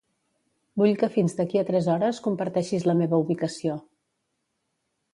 Vull que fins d'aquí a tres hores comparteixis la meva ubicació.